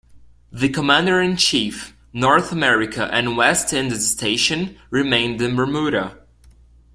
The Commander-in-Chief, North America and West Indies Station, remained in Bermuda.